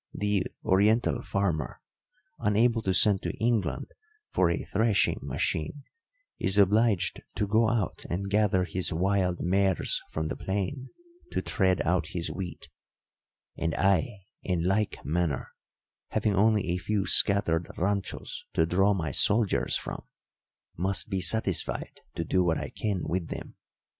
The Oriental farmer, unable to send to England for a threshing machine, is obliged to go out and gather his wild mares from the plain to tread out his wheat, and I, in like manner, having only a few scattered ranchos to draw my soldiers from, must be satisfied to do what I can with them.